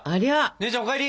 姉ちゃんお帰り！